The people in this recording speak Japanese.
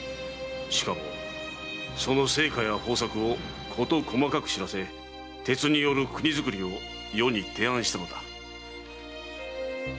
しかもその成果や方策を事細かく知らせ鉄による国づくりを余に提案したのだ。